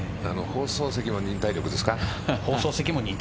放送席も忍耐力ですね。